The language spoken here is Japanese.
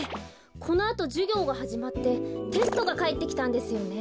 このあとじゅぎょうがはじまってテストがかえってきたんですよね。